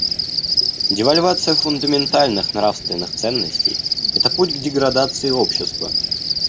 Девальвация фундаментальных нравственных ценностей — это путь к деградации общества.